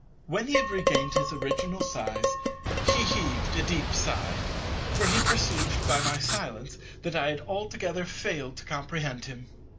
When he regained his original size, he heaved a deep sigh; for he perceived by my silence that I had altogether failed to comprehend him.